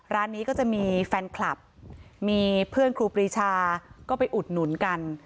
ร้านนี้ก็จะมีแฟนคลับมีเพื่อนครูปรีชาก็ไปอุดหนุนกัน